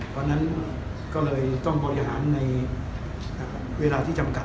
ก่อนนั้นเริ่มต้องบริหารในเวลาที่จำกัด